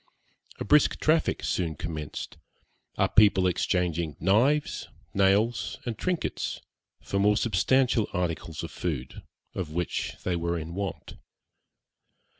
A brisk traffic soon commenced, our people exchanging knives, nails, and trinkets, for more substantial articles of food, of which they were in want.